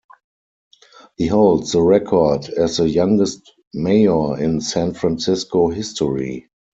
He holds the record as the youngest mayor in San Francisco history.